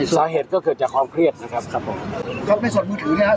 สาเหตุก็เกิดจากความเครียดนะครับครับผมครับในส่วนมือถือนะครับ